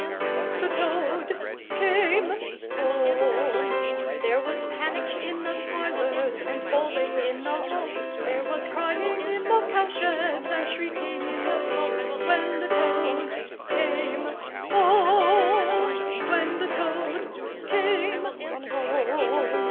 The Toad—came—home! There was panic in the parlours and howling in the halls, There was crying in the cow sheds and shrieking in the stalls, When the Toad—came—home! When the Toad—came—home!